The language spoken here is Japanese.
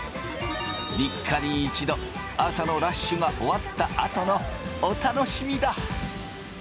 ３日に１度朝のラッシュが終わったあとのお楽しみだ。